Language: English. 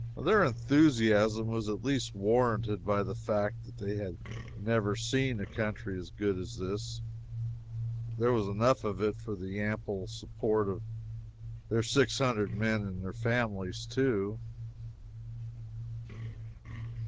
Their enthusiasm was at least warranted by the fact that they had never seen a country as good as this. There was enough of it for the ample support of their six hundred men and their families, too.